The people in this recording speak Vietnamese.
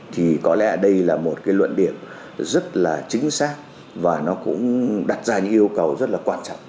thì có lẽ đây là một cái luận điểm rất là chính xác và nó cũng đặt ra những yêu cầu rất là quan trọng